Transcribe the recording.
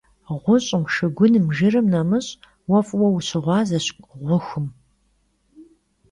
Ğuş'ım, şşıgunım, jjırım nemış' vue f'ıue vuşığuazeş ğuxum.